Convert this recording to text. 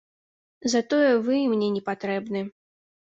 Затое вы мне не патрэбны.